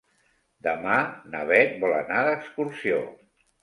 Demà na Bet vol anar d'excursió.